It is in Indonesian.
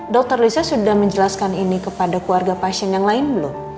dr lisa sudah menjelaskan ini kepada keluarga pasien yang lain belum